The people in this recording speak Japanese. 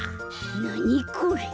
なにこれ！？